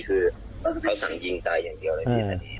ก็ตัดส่งจิงตายอย่างเดียวกันเลย